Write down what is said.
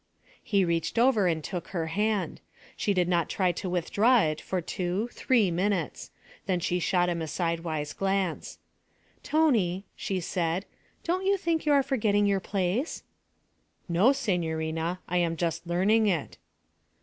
He reached over and took her hand. She did not try to withdraw it for two three minutes; then she shot him a sidewise glance. 'Tony,' she said, 'don't you think you are forgetting your place?' 'No, signorina, I am just learning it.'